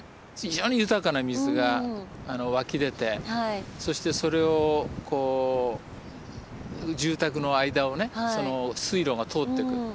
非常に豊かな水が湧き出てそしてそれをこう住宅の間をねその水路が通ってく。